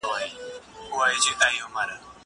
زه به د ښوونځی لپاره تياری کړی وي!